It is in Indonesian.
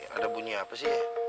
ada bunyi apa sih